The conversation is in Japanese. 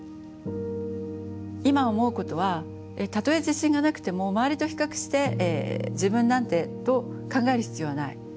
今思うことはたとえ自信がなくても周りと比較して「自分なんて」と考える必要はない。